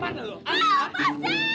padahal ini lah eh bleh serius